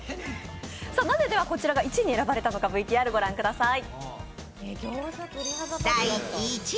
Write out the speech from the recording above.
なぜこちらが１位に選ばれたのかＶＴＲ御覧ください。